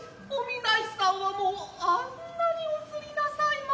女郎花さんはもうあんなにお釣りなさいました。